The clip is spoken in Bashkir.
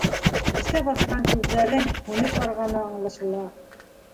Эскә батҡан күҙҙәрҙең һүнеп барғаны аңлашыла.